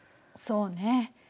そうね。